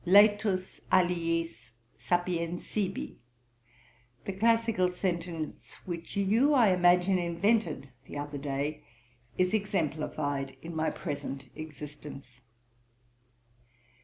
Laetus aliis, sapiens sibi, the classical sentence which you, I imagine, invented the other day, is exemplified in my present existence.